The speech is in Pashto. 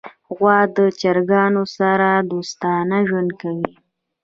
غوا د چرګانو سره دوستانه ژوند کوي.